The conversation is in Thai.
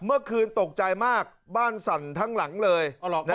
เมื่อคืนตกใจมากบ้านสั่นทั้งหลังเลย